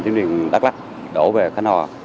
tiếng đường đắk lắk đổ về khánh hòa